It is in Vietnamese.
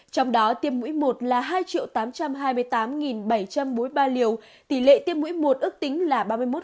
trong đó tiêm mũi một là hai tám trăm hai mươi tám bảy trăm bốn mươi ba liều tỷ lệ tiêm mũi một ước tính là ba mươi một